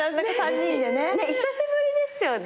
久しぶりですよね。